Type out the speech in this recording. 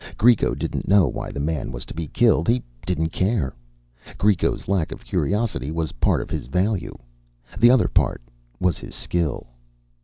Greco didn't know why the man was to be killed. He didn't care. Greco's lack of curiosity was part of his value. The other part was his skill.